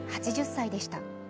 ８０歳でした。